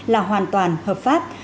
là hoàn toàn hợp pháp